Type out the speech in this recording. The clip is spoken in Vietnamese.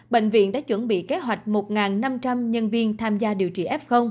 bệnh viện đã chuẩn bị kế hoạch một năm trăm linh nhân viên tham gia điều trị f